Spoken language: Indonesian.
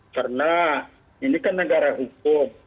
karena ini kan negara hukum